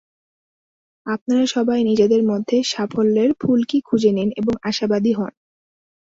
আপনারা সবাই নিজেদের মধ্যে সাফল্যের ফুলকি খুঁজে নিন এবং আশাবাদী হন।